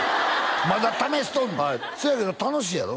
まだ試しとんの？はいそやけど楽しいやろ？